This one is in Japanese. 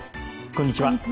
こんにちは。